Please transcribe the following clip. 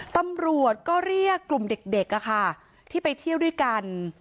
ตำรวจก็เรียกกลุ่มเด็กที่ไปเที่ยวด้วยกัน